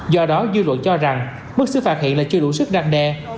do đó dư luận cho rằng mức xứ phạt hiện là chưa đủ sức răng đe